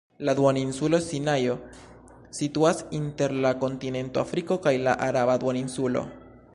La duoninsulo Sinajo situas inter la kontinento Afriko kaj la Araba duoninsulo.